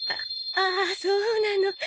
あああそうなの。